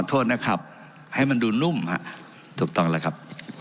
โทษนะครับให้มันดูนุ่มฮะถูกต้องแล้วครับ